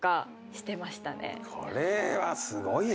これはすごいね。